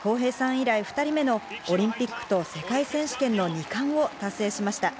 以来２人目のオリンピックと世界選手権の二冠を達成しました。